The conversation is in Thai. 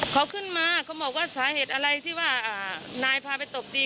เขาขึ้นมาเขาบอกว่าสาเหตุอะไรที่ว่านายพาไปตบตี